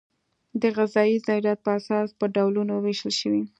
د غذایي ضرورت په اساس په ډولونو وېشل شوي.